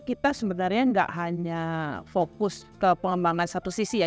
kita sebenarnya nggak hanya fokus ke pengembangan satu sisi ya